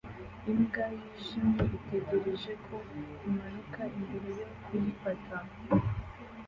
Imbwa yijimye itegereje ko imanuka mbere yo kuyifata